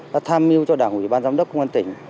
đã tham mưu cho đảng ủy ban giám đốc công an tỉnh